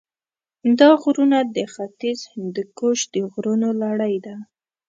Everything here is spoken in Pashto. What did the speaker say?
دا غرونه د ختیځ هندوکش د غرونو لړۍ ده.